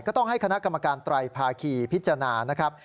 ต้องให้คณะกรรมการไตรภาคีพิจารณานะครับ